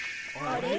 あれ？